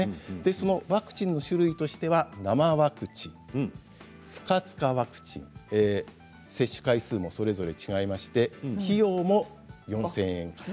そのワクチンの種類としては生ワクチン、不活化ワクチン接種回数もそれぞれ違いまして費用も４０００円から。